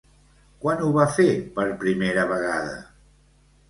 Quan ho va fer per primera vegada?